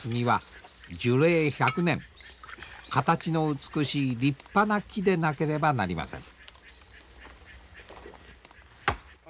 形の美しい立派な木でなければなりません。